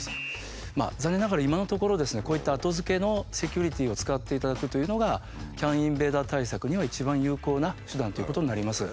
残念ながら今のところこういった後付けのセキュリティーを使っていただくというのがＣＡＮインベーダー対策には一番有効な手段ということになります。